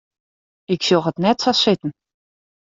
Ik sjoch it net sa sitten.